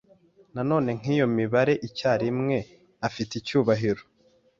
Na none nk'iyo mibare icyarimwe afite icyubahiro